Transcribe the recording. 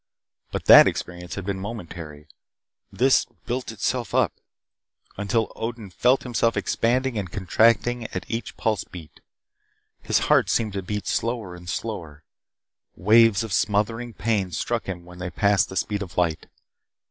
But that experience had been momentary. This built itself up until Odin felt himself expanding and contracting at each pulse beat. His heart seemed to beat slower and slower. Waves of smothering pain struck him when they passed the speed of light.